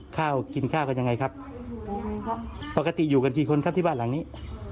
ข้าวกินข้าวกันยังไงครับปกติอยู่กันกี่คนครับที่บ้านหลังนี้